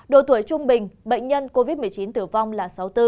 độ tuổi trung bình bệnh nhân covid một mươi chín tử vong là sáu mươi bốn